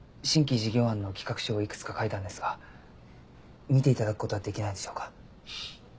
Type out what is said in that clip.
新規事業案の企画書をいくつか書いたんですが見ていただくことはできないでしょうか？